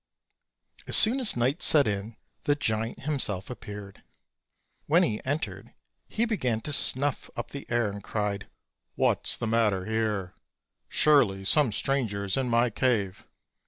As soon as night set in the giant himself appeared. When he entered he began to snuff up the air, and cried: "What's the matter here? surely some stranger is in my cave."